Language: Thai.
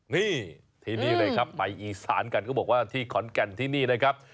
นี่ที่นี่เลยครับไปอีสานกันก็บอกว่าที่ขอนแก่นที่นี่นะครับ